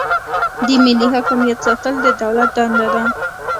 د ملي حاکمیت ساتل د دولت دنده ده.